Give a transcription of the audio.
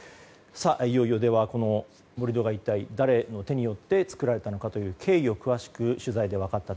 いよいよ、盛り土が一体誰の手によって作られたのかの経緯を詳しく取材で分かった点。